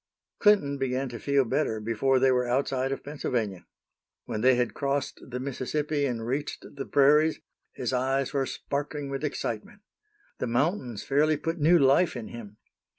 Clinton began to feel better before they were outside of Pennsylvania. When they had crossed the Mississippi and reached the prairies, his eyes were sparkling with excitement. The mountains fairly put new life in him.